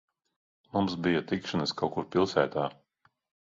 Mums bija tikšanās kaut kur pilsētā.